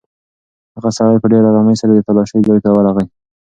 هغه سړی په ډېرې ارامۍ سره د تالاشۍ ځای ته ورغی.